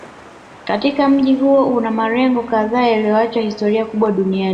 Katika mji huo kuna majengo kadhaa yaliyoacha historia kubwa duniani